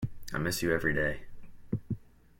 I miss you every day.